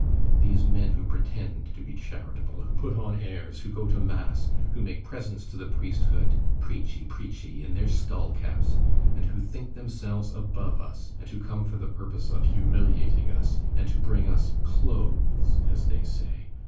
These men who pretend to be charitable, who put on airs, who go to mass, who make presents to the priesthood, preachy, preachy, in their skullcaps, and who think themselves above us, and who come for the purpose of humiliating us, and to bring us 'clothes,' as they say!